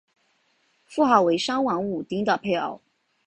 妇好为商王武丁的配偶。